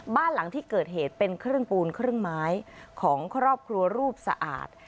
บ้านหลังที่เกิดเหตุเป็นครึ่งปูนครึ่งไม้ของครอบครัวรูปสะอาด